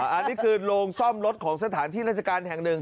อันนี้คือโรงซ่อมรถของสถานที่ราชการแห่งหนึ่ง